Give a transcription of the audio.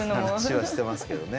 話はしてますけどね。